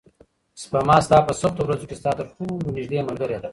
سپما ستا په سختو ورځو کې ستا تر ټولو نږدې ملګرې ده.